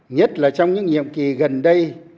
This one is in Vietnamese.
nhất là trong những nhiệm kỳ gần đây